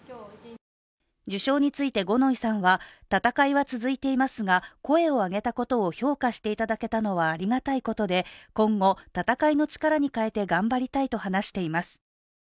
受賞について五ノ井さんは闘いは続いていますが声を上げたことを評価していただけたのはありがたいことで今後、闘いの力に変えて頑張りたいと話しています。